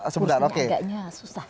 sudah agaknya susah